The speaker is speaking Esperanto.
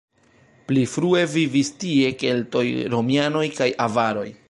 Pli frue vivis tie keltoj, romianoj kaj avaroj.